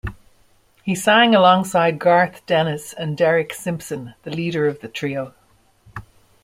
He sang alongside Garth Dennis and Derrick Simpson, the leader of the trio.